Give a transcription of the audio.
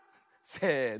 せの。